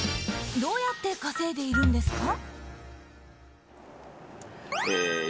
どうやって稼いでいるんですか？